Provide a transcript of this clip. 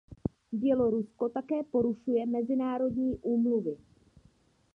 Bělorusko také porušuje mezinárodní úmluvy.